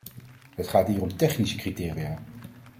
Het gaat hier om technische criteria.